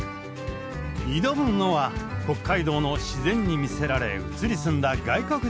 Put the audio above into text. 挑むのは北海道の自然に魅せられ移り住んだ外国人たち。